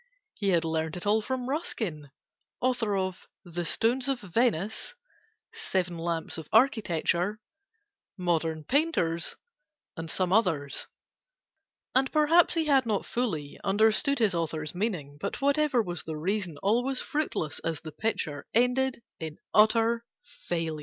He had learnt it all from Ruskin (Author of 'The Stones of Venice,' 'Seven Lamps of Architecture,' 'Modern Painters,' and some others); And perhaps he had not fully Understood his author's meaning; But, whatever was the reason, All was fruitless, as the picture Ended in an utter failure.